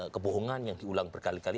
kebohongan yang diulang berkali kali